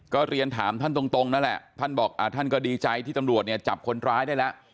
ก็เรียนถามท่านตรงนั่นแหละท่านบอกท่านก็ดีใจที่ตำรวจเนี่ยจับคนร้ายได้แล้ว